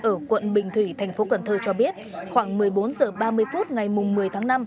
ở quận bình thủy thành phố cần thơ cho biết khoảng một mươi bốn h ba mươi phút ngày một mươi tháng năm